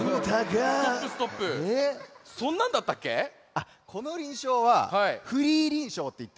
あっこのりんしょうは「フリーりんしょう」っていって。